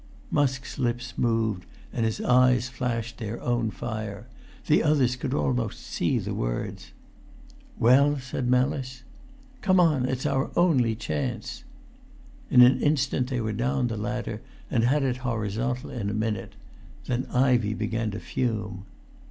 Musk's lips moved, and his eyes flashed their own fire; the others could almost see the words. "Well?" said Mellis. "Come on; it's our only chance." In an instant they were down the ladder, and had it horizontal in a minute. Then Ivey began to fume.